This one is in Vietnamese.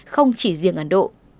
không chỉ riêng ấn độ